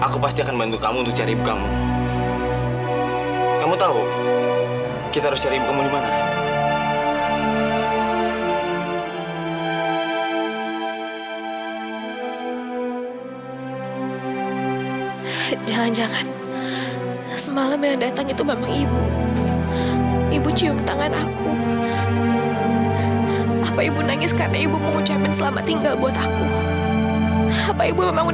kita pulih dari sini kita pergi cari ibu aku